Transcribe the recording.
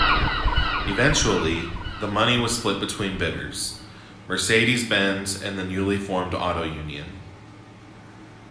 Eventually, the money was split between bidders, Mercedes-Benz and the newly formed Auto Union.